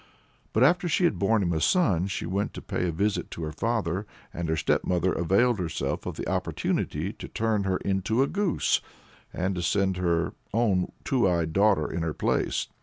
But after she had borne him a son, she went to pay a visit to her father, and her stepmother availed herself of the opportunity to turn her into a goose, and to set her own two eyed daughter in her place.